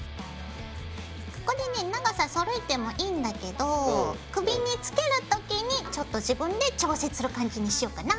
これね長さそろえてもいいんだけど首につける時にちょっと自分で調整する感じにしようかな。